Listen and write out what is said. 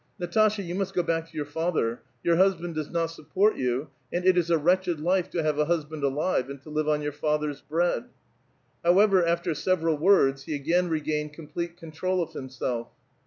Natasha, you must go back to 3'our father ; your hus band does not support j'ou, and it is a wretched life to liave a husband alive, and to live on your father's bread !" How ever, after several words, he again regained complete control of himself.